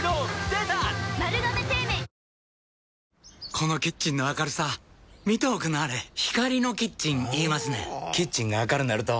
このキッチンの明るさ見ておくんなはれ光のキッチン言いますねんほぉキッチンが明るなると・・・